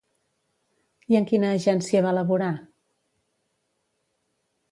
I en quina agència va laborar?